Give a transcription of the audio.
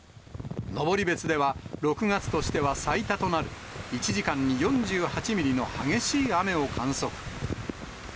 登別では、６月としては最多となる１時間に４８ミリの激しい雨を観測。